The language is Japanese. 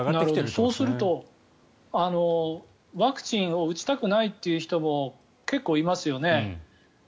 そうすると、ワクチンを打ちたくないという人も結構いますよね。